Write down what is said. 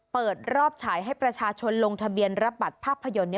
เปิดรอบฉายให้ประชาชนลงทะเบียนรับบัตรภาพยนตร์